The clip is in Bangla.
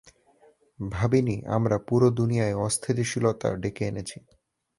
ভাবিনি, আমরা পুরো দুনিয়ায় অস্থিতিশীলতা ডেকে এনেছি।